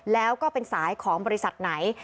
แล้วก็เป็นสายของบริษัทไหน